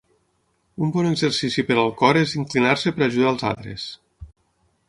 Un bon exercici per al cor és inclinar-se per a ajudar els altres.